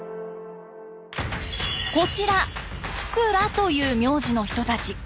こちら福羅という名字の人たち。